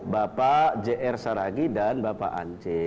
bapak jr saragi dan bapak ance